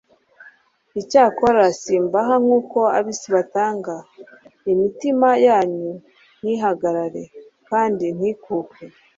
Icyakora simbaha nk'uko ab'isi batanga, imitima yanyu ntihagarare kandi ntikuke. »